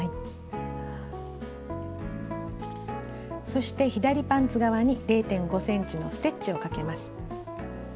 そして左パンツ側に０．５ｃｍのステッチをかけます。